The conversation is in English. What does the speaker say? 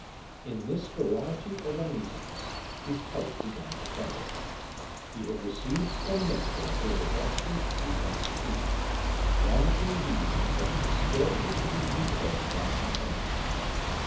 In this variety of uneasiness his health began to fail. He had received from nature a robust and happy constitution, one indeed that was scarcely to be impaired by intemperance.